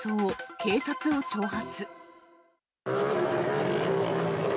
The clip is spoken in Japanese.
警察を挑発。